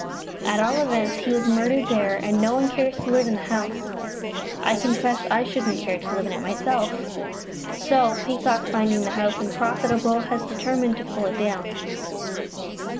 "At all events, he was murdered there, and no one cares to live in the house. I confess I shouldn't care to live in it myself. So, Peacock, finding the house unprofitable, has determined to pull it down."